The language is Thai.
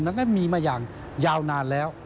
นั้นมีมาอย่างยาวนานแล้ว